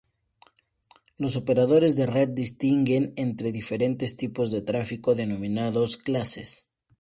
Los operadores de red distinguen entre diferentes tipos de tráfico, denominados clases.